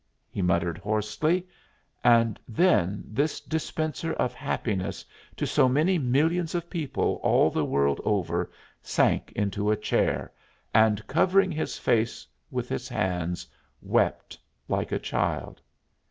he muttered hoarsely; and then this dispenser of happiness to so many millions of people all the world over sank into a chair, and, covering his face with his hands, wept like a child.